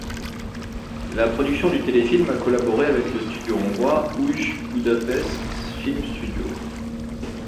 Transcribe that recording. La production du téléfilm a collaboré avec le studio hongrois Új Budapest Filmstudió.